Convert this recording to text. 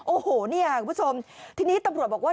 โอ้โหเนี่ยคุณผู้ชมทีนี้ตำรวจบอกว่า